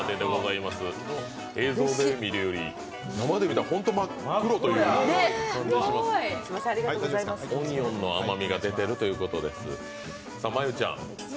映像で見るより生で見ると本当に真っ黒ということでオニオンの甘みが出ているということです。